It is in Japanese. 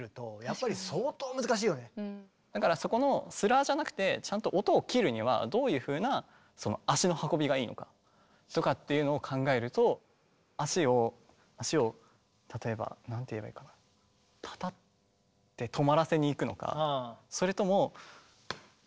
だからそこのスラーじゃなくてちゃんと音を切るにはどういうふうな足の運びがいいのかとかっていうのを考えると足を例えばなんて言えばいいかなタタッて止まらせにいくのかそれとも。